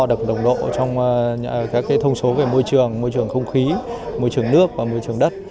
được đồng độ trong các thông số về môi trường môi trường không khí môi trường nước và môi trường đất